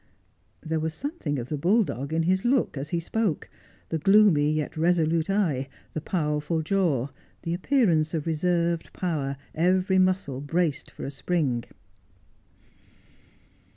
There was something of the bulldog in his look as he spoke, the gloomy, yet resolute eye, the powerful jaw, the appearance of reserved power, every muscle braced for a spring.